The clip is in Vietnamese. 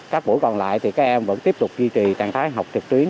các buổi còn lại thì các em vẫn tiếp tục duy trì trạng thái học trực tuyến